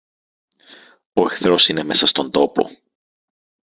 Ο εχθρός είναι μέσα στον τόπο!